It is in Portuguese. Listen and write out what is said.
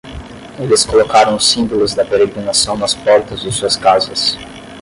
Eles colocaram os símbolos da peregrinação nas portas de suas casas.